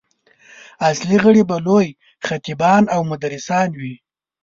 اصلي غړي به لوی خطیبان او مدرسان وي.